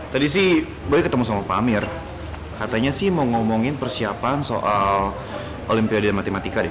tadi sih boleh ketemu sama pak amir katanya sih mau ngomongin persiapan soal olimpiade matematika deh